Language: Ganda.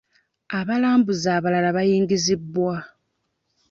Abalambuza abalala baayingizibwa.